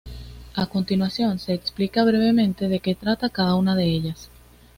A continuación, se explica brevemente de que trata cada una de ellas.